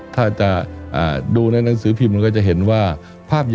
ถ้าดูในนังสือพิมพ์